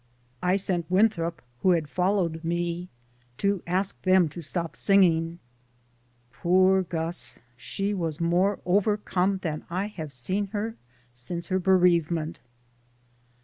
I sent Winthrop, who had followed me, to ask them to stop singing. Poor Gus, she was DAYS ON THE ROAD. $9 more overcome than I have seen her since her bereavement.